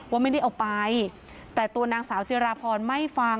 ว่าไม่ได้เอาไปแต่ตัวนางสาวจิราพรไม่ฟัง